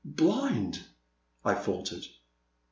'*BUnd!" I faltered.